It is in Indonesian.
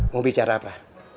mau bicara apa